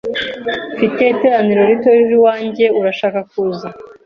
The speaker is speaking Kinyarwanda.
Mfite iteraniro rito ejo iwanjye. Urashaka kuza?